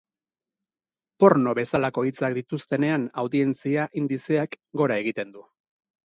Porno bezalako hitzak dituztenean, audientzia indizeak gora egiten du.